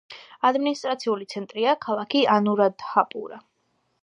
ადმინისტრაციული ცენტრია ქალაქი ანურადჰაპურა.